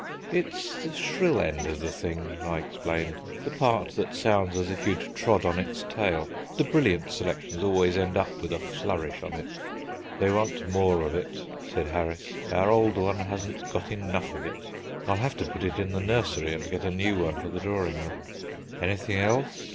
"It's the shrill end of the thing," I explained; "the part that sounds as if you'd trod on its tail. The brilliant selections always end up with a flourish on it." "They want more of it," said Harris; "our old one hasn't got enough of it. I'll have to put it in the nursery, and get a new one for the drawing room." "Anything else?"